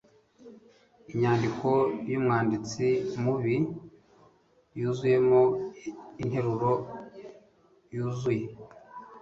Inyandiko yumwanditsi mubi yuzuyemo interuro yuzuye.